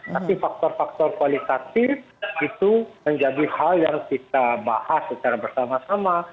tapi faktor faktor kualitatif itu menjadi hal yang kita bahas secara bersama sama